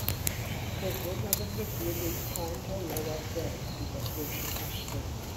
Y cyfrwng a ddefnyddiwyd yw paent olew ar bren, gyda brwsh impasto.